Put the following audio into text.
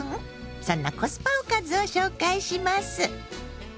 そんなコスパおかずを紹介します。